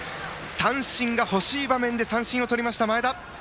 三振がほしい場面で三振をとった前田。